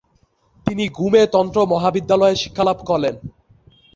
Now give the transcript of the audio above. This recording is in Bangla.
তিনি গ্যুমে তন্ত্র মহাবিদ্যালয়ে শিক্ষালাভ করেন।